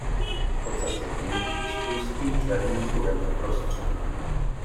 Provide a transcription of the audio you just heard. Ocas je bílý s úzkým černým pruhem uprostřed.